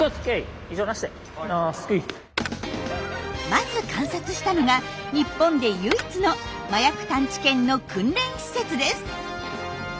まず観察したのが日本で唯一の麻薬探知犬の訓練施設です。